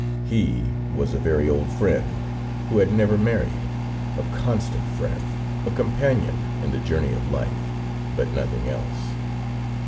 He was a very old friend, who had never married, a constant friend, a companion in the journey of life, but nothing else.